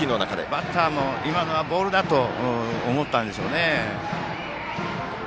バッターも今のはボールだと思ったんでしょうね。